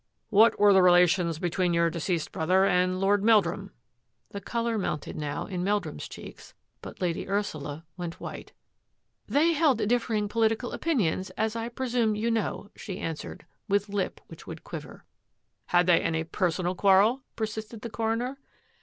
" What were the relations between your de ceased brother and Lord Meldrum? " The colour mounted now in Meldrum's cheeks, but Lady Ursula went white. " They held differing political opinions, as I presume you know," she answered, with lip which would quiver. "Had they any personal quarrel?" persisted the coroner.